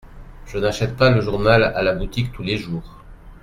Je n’achète pas le journal à la boutique tous les jours.